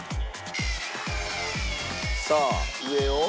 「さあ上を」